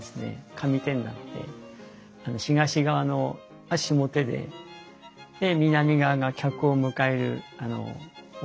上手になって東側は下手で南側が客を迎える表向きなんですよ。